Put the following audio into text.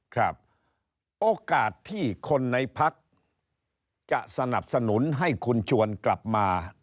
ครับโอกาสที่คนในพักจะสนับสนุนให้คุณชวนกลับมา